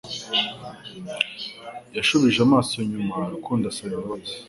Yashubije amaso inyuma Rukundo asaba imbabazi